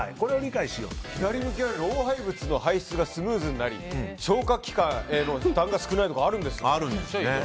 左向きは老廃物の排出がスムーズになり消化器官への負担が少ないとかあるんですね。